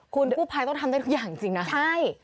คุณกู้ภัยต้องทำได้ทุกอย่างจริงนะใช่